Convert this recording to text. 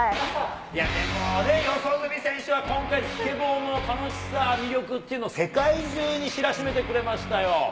でもね、四十住選手は今回、スケボーの楽しさ、魅力っていうのを世界中に知らしめてくれましたよ。